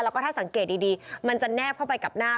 แล้วก็ถ้าสังเกตดีมันจะแนบเข้าไปกับหน้า